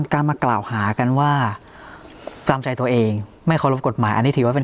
การมากล่าวหากันว่าตามใจตัวเองไม่เคารพกฎหมายอันนี้ถือว่าเป็น